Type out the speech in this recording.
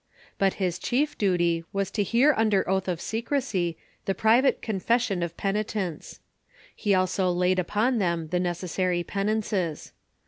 But his chief duty was to hear under oath of secrecy the private confession of penitents. He also laid upon them the neces sary penances.